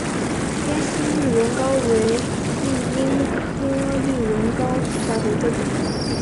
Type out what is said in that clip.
滇西绿绒蒿为罂粟科绿绒蒿属下的一个种。